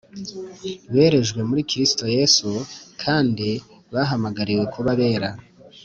berejwe muri Kristo Yesu, kandi bahamagariwe kuba abera,